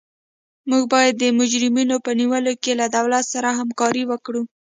موږ باید د مجرمینو په نیولو کې له دولت سره همکاري وکړو.